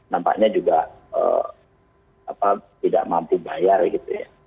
nampaknya juga tidak mampu bayar gitu ya